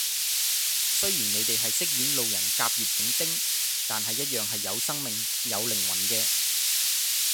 雖然你哋係飾演路人甲乙丙丁，但係一樣係有生命，有靈魂嘅